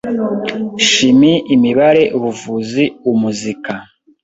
shimi, imibare, ubuvuzi, umuzika,